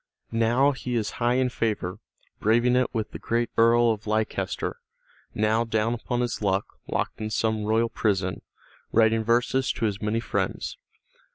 Now he is high in favor, braving it with the great Earl of Leicester, now down upon his luck, locked in some royal prison, writing verses to his many friends.